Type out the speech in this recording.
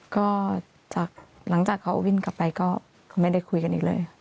ก็หลังจากเขาวิ่งกลับไปก็ไม่ได้คุยกันอีกเลย